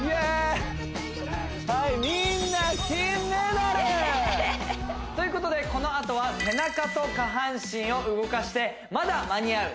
はいということでこのあとは背中と下半身を動かしてまだ間に合う！